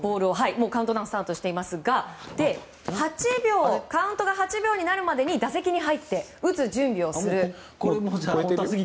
もうカウントダウンスタートしていますがカウントが８秒になるまでに打席に入って、打つ準備をする。